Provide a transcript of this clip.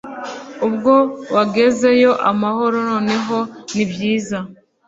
Ubwo wagezeyo amahoro noneho ni byiza